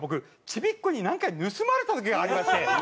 ちびっ子に何回か盗まれた時がありまして。